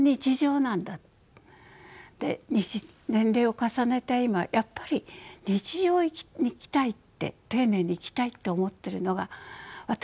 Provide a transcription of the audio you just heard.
年齢を重ねた今やっぱり日常を生きたいって丁寧に生きたいって思ってるのが私なんだ。